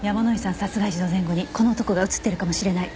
殺害時の前後にこの男が映ってるかもしれない。